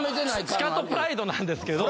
チカトプライドなんですけど。